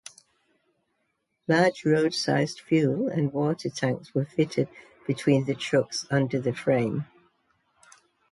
Large, road-sized fuel and water tanks were fitted between the trucks under the frame.